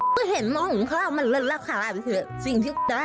ก็เห็นหม้อหุงข้าวมันร้อนราคาเผื่อสิ่งที่ได้